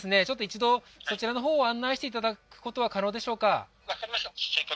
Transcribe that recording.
ちょっと一度そちらのほうを案内していただくことは可能でしょうか？